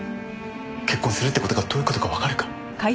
結婚するって事がどういう事かわかるか？